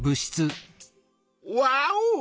ワオ！